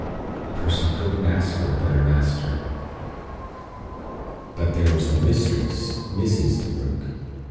A person couldn't ask for a better master. But there was the mistress, Mrs. DeBrugh!